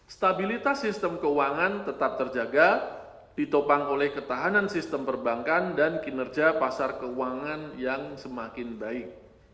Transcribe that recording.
stabilitas sistem keuangan tetap terjaga ditopang oleh ketahanan sistem perbankan dan kinerja pasar keuangan yang semakin baik